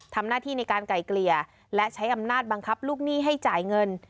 ทำหน้าที่ในการไก่เกลี่ยและใช้อำนาจบังคับลูกหนี้ให้จ่ายเงิน